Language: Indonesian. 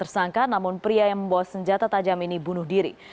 tersangka namun pria yang membawa senjata tajam ini bunuh diri